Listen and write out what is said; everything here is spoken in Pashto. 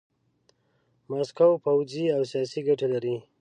ماسکو پوځي او سیاسي ګټې لري.